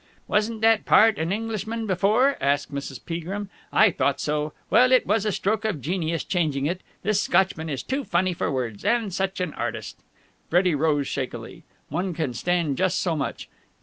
"Wasn't that part an Englishman before?" asked Mrs. Peagrim. "I thought so. Well, it was a stroke of genius changing it. This Scotchman is too funny for words. And such an artist!" Freddie rose shakily. One can stand just so much.